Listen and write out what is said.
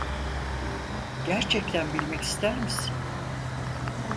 Gerçekten bilmek ister misin?